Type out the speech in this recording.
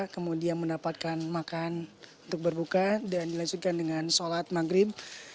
kemudian mendapatkan makan untuk berbuka dan dilanjutkan dengan sholat maghrib